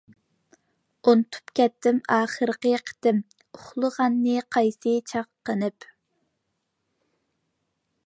ئۇنتۇپ كەتتىم ئاخىرقى قېتىم، ئۇخلىغاننى قايسى چاغ قېنىپ.